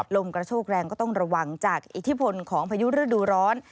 ลมกระโชกแรงก็ต้องระวังจากอิทธิพลของพายุฤดูร้อน